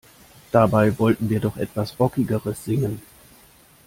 Dabei wollten wir doch etwas Rockigeres singen.